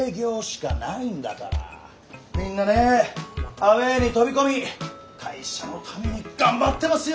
みんなねアウェーに飛び込み会社のために頑張ってますよ！